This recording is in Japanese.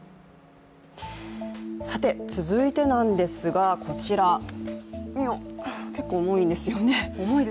続いてですが、こちら、結構重いんですよね。